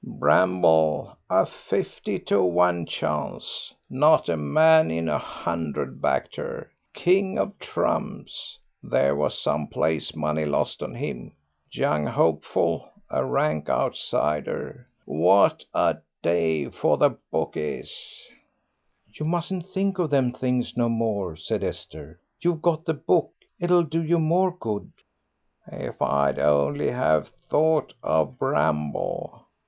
"Bramble, a fifty to one chance, not a man in a hundred backed her; King of Trumps, there was some place money lost on him; Young Hopeful, a rank outsider. What a day for the bookies!" "You mustn't think of them things no more," said Esther. "You've got the Book; it'll do you more good." "If I'd only have thought of Bramble...